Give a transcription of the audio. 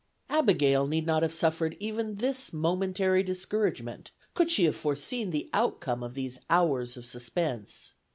Abigail need not have suffered even this momentary discouragement, could she have foreseen the outcome of these hours of suspense.